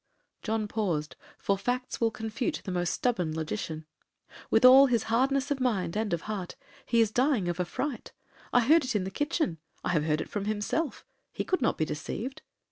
John paused, for facts will confute the most stubborn logician. 'With all his hardness of mind, and of heart, he is dying of a fright. I heard it in the kitchen, I have heard it from himself,—he could not be deceived.